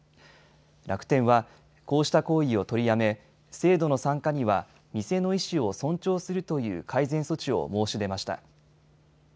楽天は、こうした行為を取りやめ制度の参加には店の意思を尊重するという改善措置を申し出ました。